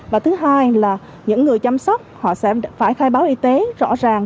và thứ hai là những người chăm sóc họ sẽ phải khai báo y tế rõ ràng